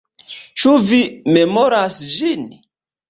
Ĉu vi memoras ĝin?